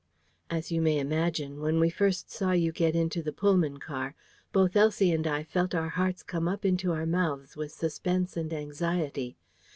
"As you may imagine, when we first saw you get into the Pullman car, both Elsie and I felt our hearts come up into our months with suspense and anxiety.